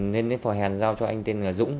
nên phò hèn giao cho anh tên là dũng